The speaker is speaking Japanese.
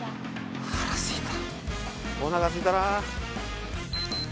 腹すいた。